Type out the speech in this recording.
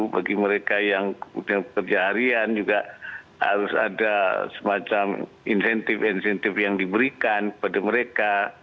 bagi mereka yang kerja harian juga harus ada semacam insentif insentif yang diberikan kepada mereka